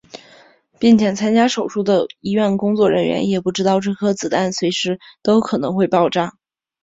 并且参加手术的医院工作人员也不知道这颗子弹随时都可能会爆炸。